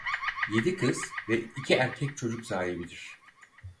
Yedi kız ve iki erkek çocuk sahibidir.